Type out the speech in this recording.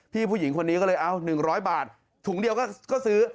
ผู้หญิงคนนี้ก็เลยเอา๑๐๐บาทถุงเดียวก็ซื้อ